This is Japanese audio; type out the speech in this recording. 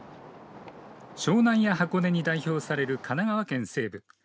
湘南や箱根に代表される神奈川県西部。